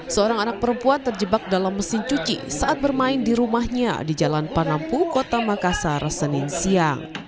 seorang anak perempuan terjebak dalam mesin cuci saat bermain di rumahnya di jalan panampu kota makassar senin siang